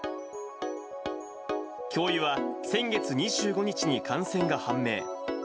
教諭は先月２５日に感染が判明。